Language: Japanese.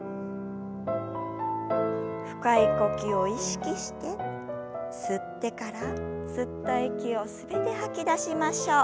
深い呼吸を意識して吸ってから吸った息を全て吐き出しましょう。